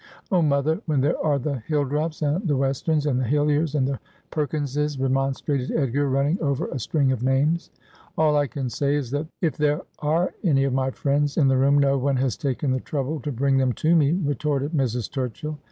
Oh, mother, when there are the Hilldrops, and the Westerns, and the Hilliers, and the Perkinses,' remonstrated Edgar, running over a string of names. ' All I can say is that if there are any of my friends in the room no one has taken the trouble to bring them to me,' retorted Mrs. Turchill.